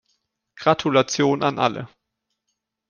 Gratulation an alle.